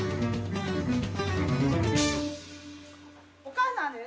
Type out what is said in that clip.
お母さんです。